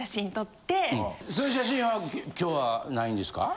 その写真は今日はないんですか？